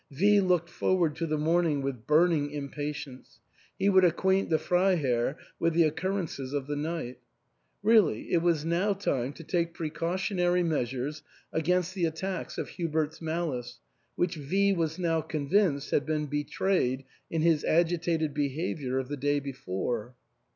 V looked forward to the morning with burning impatience ; he would ac quaint the Freiherr with the occurrences of the night. Really it was now time to take precautionary measures against the attacks of Hubert's malice, which V was now convinced, had been betrayed in his agitated behaviour of the day before.